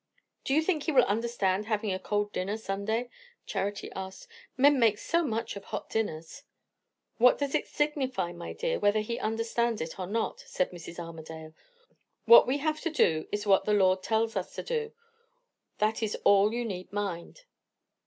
"Do you think he will understand having a cold dinner, Sunday?" Charity asked. "Men make so much of hot dinners." "What does it signify, my dear, whether he understands it or not?" said Mrs. Armadale. "What we have to do, is what the Lord tells us to do. That is all you need mind."